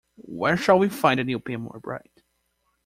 Where shall we find a new pin more bright?